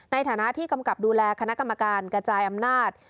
ในฐานะที่กำกับดูแลคณะกรรมการกระจายอำนาจ